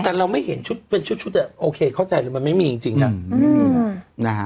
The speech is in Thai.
แต่นั้นเรามันไม่เห็นเป็นชุดโอเคเข้าใจนี้มันไม่มีจริง